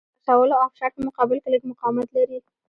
د کشولو او فشار په مقابل کې لږ مقاومت لري.